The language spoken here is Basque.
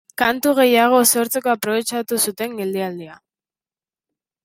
Kantu gehiago sortzeko aprobetxatu zuten geldialdia.